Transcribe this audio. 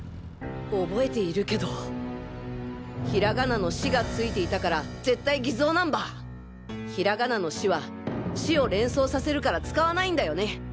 覚えているけどひらがなの「し」が付いていたから絶対偽造ナンバー！ひらがなの「し」は「死」を連想させるから使わないんだよね？